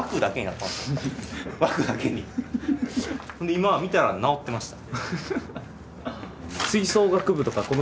今見たら直ってました。